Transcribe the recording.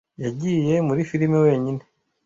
Yagiye muri firime wenyine.